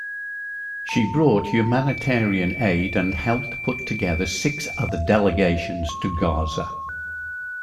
She brought humanitarian aid and helped put together six other delegations to Gaza.